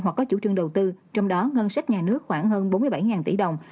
hoặc có chủ trương đầu tư trong đó ngân sách nhà nước khoảng hơn bốn mươi bảy tỷ đồng